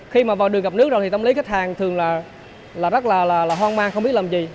khi mà vào được gặp nước rồi thì tâm lý khách hàng thường là rất là hoang mang không biết làm gì